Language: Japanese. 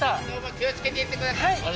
どうも気をつけて行ってください